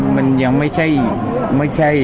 พค่ะมันยังไม่ใช่